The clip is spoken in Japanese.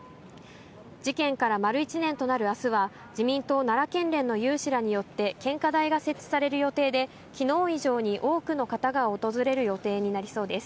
事件から丸１年となるあすは、自民党奈良県連の有志らによって献花台が設置される予定で、きのう以上に多くの方が訪れる予定になりそうです。